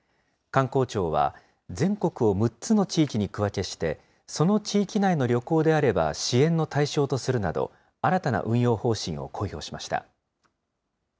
観光庁は全国を６つの地域に区分けして、その地域内の旅行であれば支援の対象とするなど、新たな運用方針を公表しました。